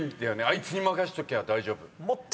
あいつに任せときゃ大丈夫。